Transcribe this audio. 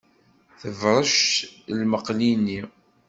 Tebṛec lmeqli-nni.